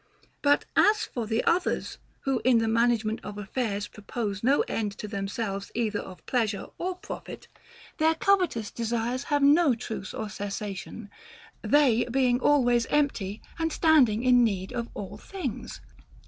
But as for the others, who in the management of affairs propose no end to themselves either of pleasure or profit, their covetous de sires have no truce or cessation, they being always empty and standing in need of all things.